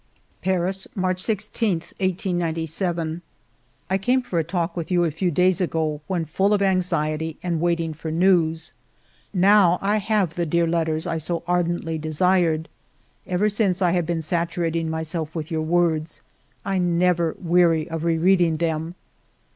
«* Paris, March 16, 1897. " I came for a talk with you a few days ago, when full of anxiety and waiting for news ; now I have the dear letters I so ardently desired. Ever since I have been saturating myself with your words. I never weary ot re reading them.